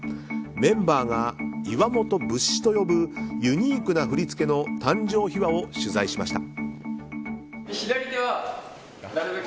メンバーが岩本節と呼ぶユニークな振り付けの誕生秘話を取材しました。